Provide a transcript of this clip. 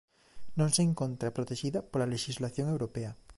Non se encontra protexida pola lexislación europea.